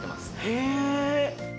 へえ。